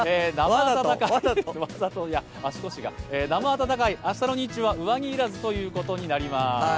なま暖かい、明日の日中は上着要らずということになります。